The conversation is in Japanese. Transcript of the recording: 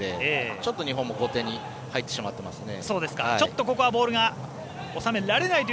ちょっと日本も後手に入ってしまっていますね。